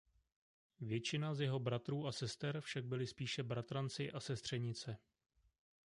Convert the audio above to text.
Většina z jeho bratrů a sester však byli spíše bratranci a sestřenice.